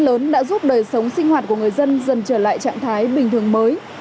nước lớn đã giúp đời sống sinh hoạt của người dân dần trở lại trạng thái bình thường mới